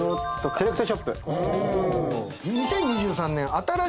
セレクトショップ。